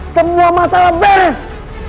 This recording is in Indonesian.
semua masalah beres